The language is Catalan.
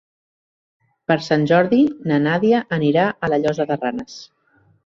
Per Sant Jordi na Nàdia anirà a la Llosa de Ranes.